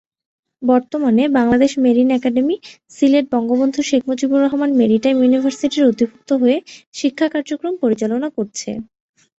বর্তমানে Bangladesh marine academy, Sylhet Bangabandhu Sheikh Mujibur Rahman maritime ইউনিভার্সিটির অধিভুক্ত হয়ে শিক্ষা কার্যক্রম পরিচালনা করছে।